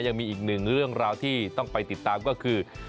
ยังมีอีกหนึ่งเรื่องราวที่ต้องไปติดตามก็คือ